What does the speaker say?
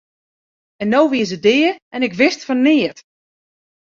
En no wie se dea en ik wist fan neat!